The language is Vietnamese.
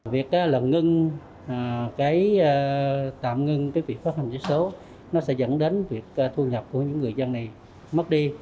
việc tạm ngưng việc phát hành vé số sẽ dẫn đến việc thu nhập của những người dân này mất đi